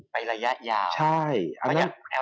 ไประยะยาว